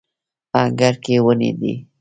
انګړ کې ونې دي